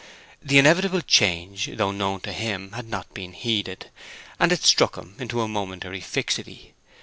The inevitable change, though known to him, had not been heeded; and it struck him into a momentary fixity.